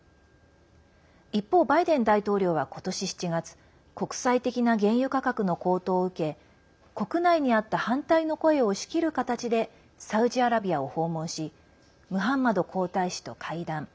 一方、バイデン大統領は今年７月国際的な原油価格の高騰を受け国内にあった反対の声を押し切る形でサウジアラビアを訪問しムハンマド皇太子と会談。